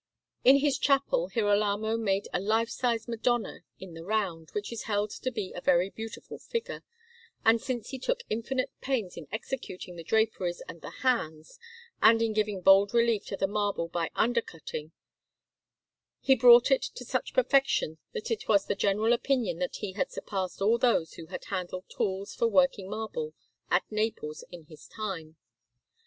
In his chapel Girolamo made a lifesize Madonna in the round, which is held to be a very beautiful figure; and since he took infinite pains in executing the draperies and the hands, and in giving bold relief to the marble by undercutting, he brought it to such perfection that it was the general opinion that he had surpassed all those who had handled tools for working marble at Naples in his time.